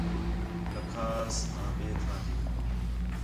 لَکھاس ہُݨ آں ٻئے تھاں تی ہیں